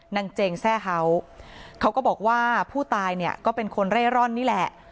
เจงแทร่เฮ้าเขาก็บอกว่าผู้ตายเนี่ยก็เป็นคนเร่ร่อนนี่แหละ